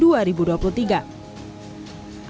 pada tahun dua ribu dua puluh tiga